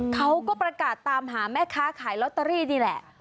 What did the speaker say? เขาก็ประกาศตามหาแม่ค้าขายลอตเตอรี่นี่แหละ